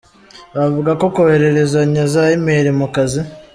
Avuga ko kohererezanya za e-mail, mu kazi.